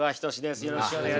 よろしくお願いします。